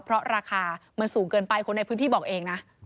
เพราะราคามันสูงเกินไปคนในพื้นที่บอกเองนะ